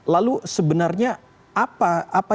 lalu sebenarnya apa